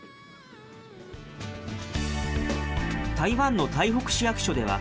台湾の台北市役所では、